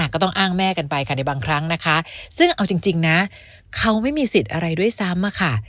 ก็ต้องอ้างแม่กันไปค่ะในบางครั้งนะคะซึ่งเอาจริงนะเขาไม่มีสิทธิ์อะไรด้วยซ้ำอะค่ะ